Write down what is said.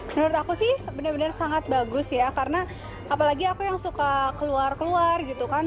menurut aku sih benar benar sangat bagus ya karena apalagi aku yang suka keluar keluar gitu kan